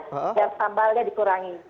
hanya yang sambalnya dikurangi